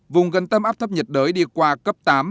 vùng gần tâm áp thấp nhiệt đới đi qua cấp tám